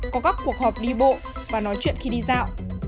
có các cuộc họp đi bộ và nói chuyện khi đi dạo